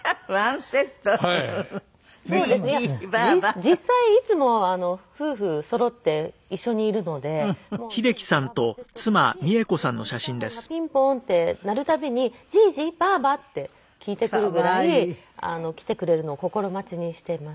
実際いつも夫婦そろって一緒にいるのでもうじぃじとばぁばはセットですし家のインターホンがピンポーンって鳴る度に「じぃじ？ばぁば？」って聞いてくるぐらい来てくれるのを心待ちにしています。